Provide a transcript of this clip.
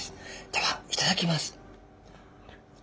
ではいただきます。